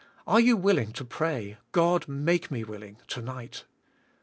Are you willing to pray, God make me willing, to night?